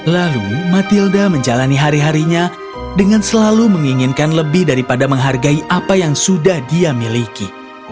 lalu matilda menjalani hari harinya dengan selalu menginginkan lebih daripada menghargai apa yang sudah dia miliki